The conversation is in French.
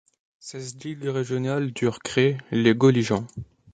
Seize ligues régionales durent créées, les Gauligen.